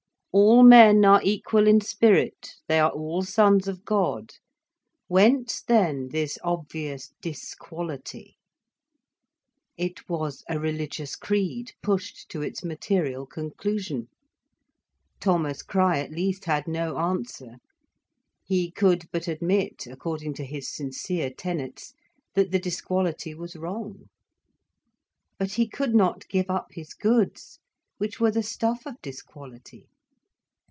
"All men are equal in spirit, they are all sons of God. Whence then this obvious disquality?" It was a religious creed pushed to its material conclusion. Thomas Crich at least had no answer. He could but admit, according to his sincere tenets, that the disquality was wrong. But he could not give up his goods, which were the stuff of disquality.